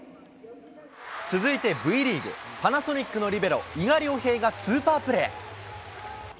続いてＶリーグ、パナソニックのリベロ、伊賀亮平がスーパープレー。